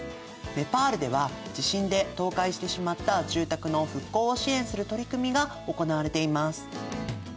ネパールでは地震で倒壊してしまった住宅の復興を支援する取り組みが行われています。